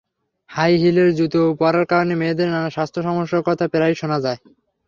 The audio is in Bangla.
হাই হিলের জুতো পরার কারণে মেয়েদের নানা স্বাস্থ্য সমস্যার কথা প্রায়ই শোনা যায়।